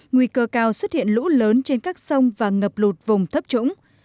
nguy cơ cao xuất hiện lũ lớn trên các sông và ngập lụt vùng thấp trũng